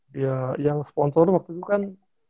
dia yang sponsor waktu itu kan